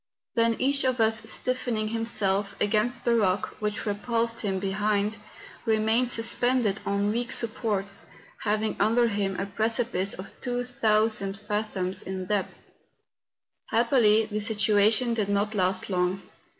Then each of us stiffen¬ ing himself against the rock which repulsed him behind, remained suspended on weak supports, hav¬ ing under him a precipice of 2000 fathoms in depth. Happily this situation did not last long.